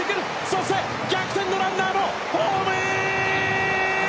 そして逆転のランナーもホームイン！